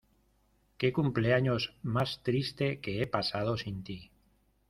Qué cumpleaños más triste que he pasado sin ti.